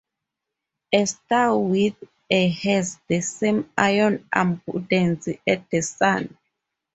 A star with a has the same iron abundance as the Sun.